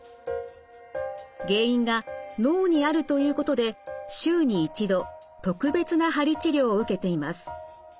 原因が脳にあるということで週に１度特別な鍼治療を受けています。